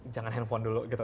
jangan handphone dulu gitu